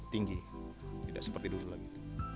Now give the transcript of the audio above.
tinggi tidak seperti dulu lagi